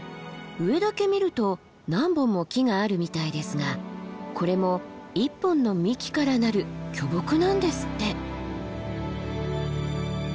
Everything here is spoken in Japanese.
上だけ見ると何本も木があるみたいですがこれも１本の幹からなる巨木なんですって。